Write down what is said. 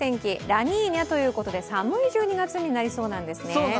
ラニーニャということで寒い１２月になりそうなんですね。